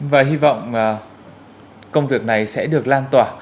và hy vọng công việc này sẽ được lan tỏa